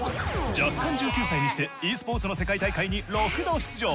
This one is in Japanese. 若干１９歳にしてｅスポーツの世界大会に６度出場。